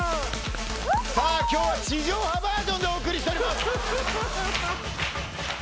さあ今日は地上波バージョンでお送りしております